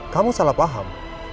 kamu salah paham